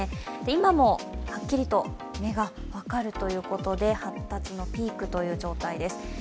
今もはっきりと目が分かるということで発達のピークという状態です。